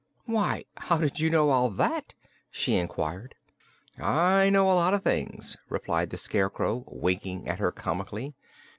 "Why, how did you know all that?" she inquired. "I know a lot of things," replied the Scarecrow, winking at her comically.